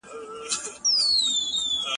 زري جامو کې هره ښځه درته مور ښکارېږي